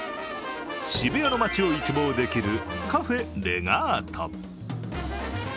渋谷の街を一望できるカフェレガート。